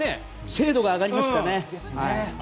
精度が上がりましたね。